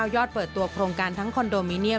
ยอดเปิดตัวโครงการทั้งคอนโดมิเนียม